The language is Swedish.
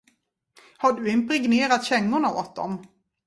Har du impregnerat kängorna åt dem?